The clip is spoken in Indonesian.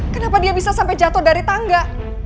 kenapa dia bisa sampai jatuh dari tangga